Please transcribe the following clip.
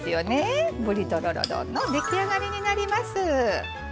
ぶりとろろ丼の出来上がりになります。